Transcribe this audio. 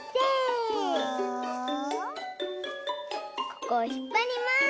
ここをひっぱります！